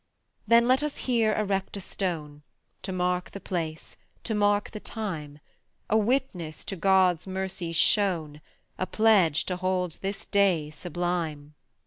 Then let us here erect a stone, To mark the place, to mark the time; A witness to God's mercies shown, A pledge to hold this day sublime.